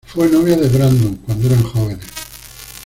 Fue novia de Brandon cuando eran jóvenes.